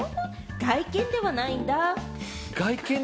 外見ではないんだ。